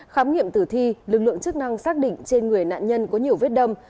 khám nghiệm tử thi lực lượng chức năng xác định trên người nạn nhân có nhiều vết đâm